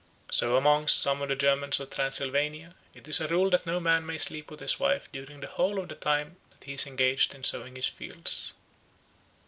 So amongst some of the Germans of Transylvania it is a rule that no man may sleep with his wife during the whole of the time that he is engaged in sowing his fields.